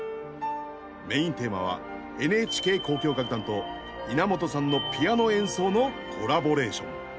メインテーマはＮＨＫ交響楽団と稲本さんのピアノ演奏のコラボレーション。